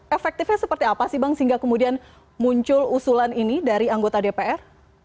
efektifnya seperti apa sih bang sehingga kemudian muncul usulan ini dari anggota dpr